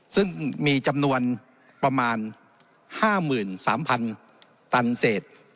ซึ่งมีจำนวนประมาณ๕๓๐๐๐ตันเศษ